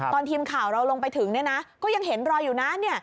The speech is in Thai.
ตอนทีมข่าวเราลงไปถึงก็ยังเห็นรอยอยู่นะ